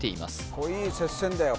これいい接戦だよ